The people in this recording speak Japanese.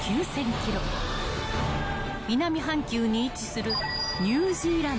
［南半球に位置する］